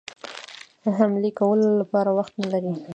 حملې کولو لپاره وخت نه لري.